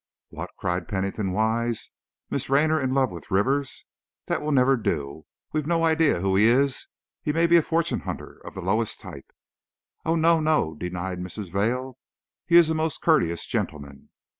"What!" cried Pennington Wise, "Miss Raynor in love with Rivers! That will never do! Why, we've no idea who he is. He may be a fortune hunter of the lowest type!" "Oh, no, no!" denied Mrs. Vail, "he is a most courteous gentleman."